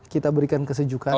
kita berikan kesejukan